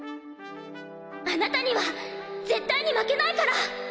あなたには絶対に負けないから！！